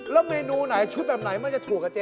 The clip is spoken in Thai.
แล้วเมนูไหนชุดแบบไหนมันจะถูกกับเจ